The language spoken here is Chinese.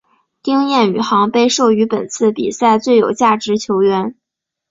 丁彦雨航被授予本次比赛最有价值球员。